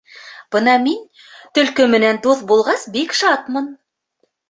Бына мин, Төлкө менән дуҫ булғас бик шатмын...